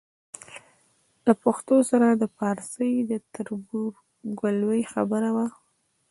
له پښتو سره د پارسي د تربورګلوۍ خبره وه.